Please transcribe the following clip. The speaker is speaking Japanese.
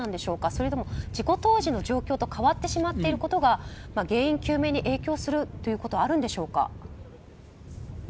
それとも事故当時の状況と変わってしまっていることが原因究明に影響するということはあるんでしょうか。